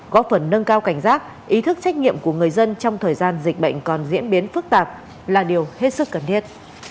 góp phần nâng cao cảnh giác ý thức trách nhiệm của người dân trong thời gian dịch bệnh còn diễn biến phức tạp là điều hết sức cần thiết